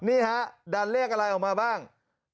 นี่ฮะดันเลขอะไรออกมาบ้าง